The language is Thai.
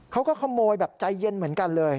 เขาก็ขโมยแบบใจเย็นเหมือนกันเลย